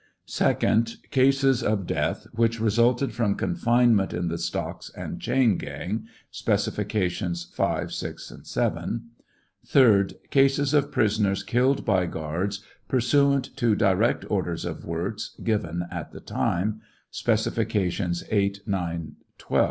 Second. Oases of death which resulted from confinement in the stocks and chain gang. (Specifica tions 5, 6, 7.) Third. Cases of prisoners killed by guards, pursuant to direct orders of Wirz, given at the time,*( Specifications 8, 9, 12.)